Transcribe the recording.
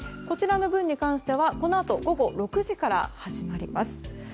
こちらの分に関してはこのあと午後６時から始まります。